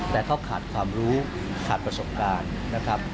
แต่เขาขาดความรู้ขาดประสบการณ์นะครับ